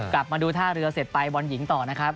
กลับมาดูท่าเรือเสร็จไปบอลหญิงต่อนะครับ